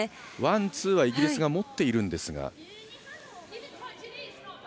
ワン、ツーはイギリスが持っているんですが。